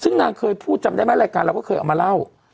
ซึ่งนางเคยพูดจำได้ไหมรายการเราก็เคยเอามาเล่า